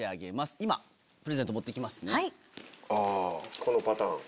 このパターン。